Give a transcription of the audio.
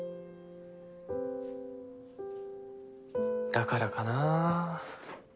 だからかな。